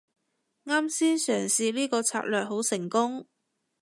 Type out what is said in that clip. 啱先嘗試呢個策略好成功